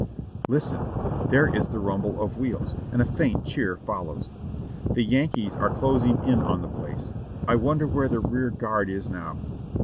Listen! there is the rumble of wheels, and a faint cheer fol lows. The Yankees are closing in on the place. I wonder where the rear guard is now.